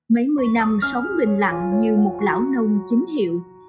mấy mươi năm sống bình lặng như một lão nông chính hiệu